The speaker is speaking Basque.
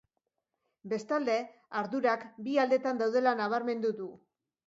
Bestalde, ardurak bi aldetan daudela nabarmendu du.